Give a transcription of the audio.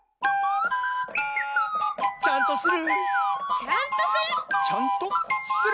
ちゃんとする？